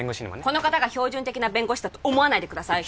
この方が標準的な弁護士だと思わないでください